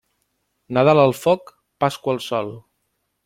Nadal al foc, Pasqua al sol.